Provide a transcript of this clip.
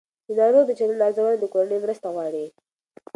د ناروغ د چلند ارزونه د کورنۍ مرسته غواړي.